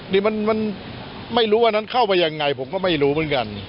นี่มันไม่รู้อันนั้นเข้าไปยังไงผมก็ไม่รู้เหมือนกัน